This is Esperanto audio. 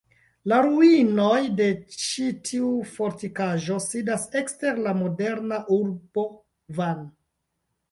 La ruinoj de ĉi tiu fortikaĵo sidas ekster la moderna urbo Van.